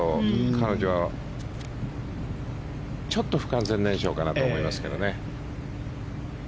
彼女はちょっと不完全燃焼かなと思いますね。